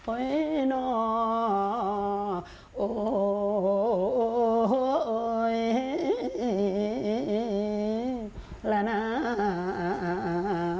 โอ้โฮละน้า